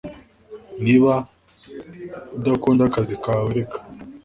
Niba udakunda akazi kawe reka